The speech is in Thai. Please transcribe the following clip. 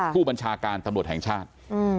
ผู้บัญชาการตำรวจแห่งชาติ